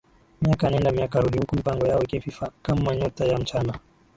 miaka nenda miaka rudi huku mipango yao ikififa kama nyota ya mchana